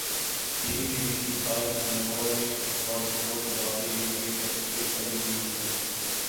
یہی B B C تھا جس نے لاہور میں بھارتی فوج کے داخلے کی فیک خبر دی تھی